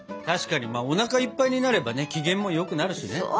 確かにおなかいっぱいになればね機嫌もよくなるしね。